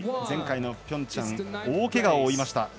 前回のピョンチャン大けがを負いました。